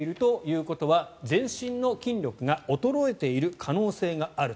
握力が低下しているということは全身の筋力が衰えている可能性があると。